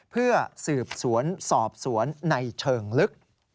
เพื่อสืบสวนสอบสวนในเชิงลึก